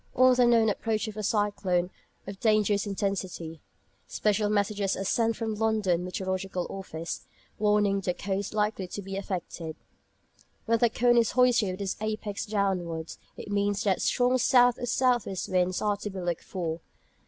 On the known approach of a cyclone of dangerous intensity, special messages are sent from the London Meteorological Office, warning the coasts likely to be affected. When the cone is hoisted with its apex downwards, it means that strong south or south west winds are to be looked for.